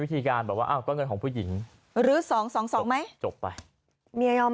วิธีการบอกว่าอ้าวก็เงินของผู้หญิงหรือ๒๒๒ไหมจบไปเมียยอม